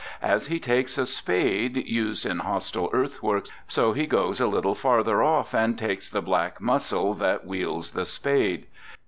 As he takes a spade used in hostile earthworks, so he goes a little farther off and takes the black muscle that wields the spade.